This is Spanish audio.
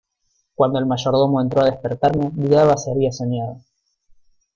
cuando el mayordomo entró a despertarme, dudaba si había soñado: